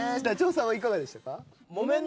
ダチョウさんはいかがでしたか？